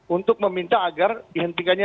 untuk meminta agar dihentikannya